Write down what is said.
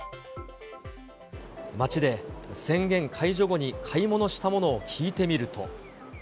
街で宣言解除後に買い物したものを聞いて見ると。